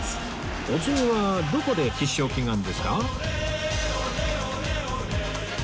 お次はどこで必勝祈願ですか？